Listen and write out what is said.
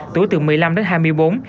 tuổi từ một mươi năm đến hai mươi bốn